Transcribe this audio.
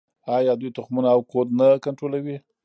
آیا دوی تخمونه او کود نه کنټرولوي؟